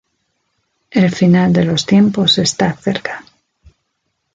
El final de los tiempos está cerca.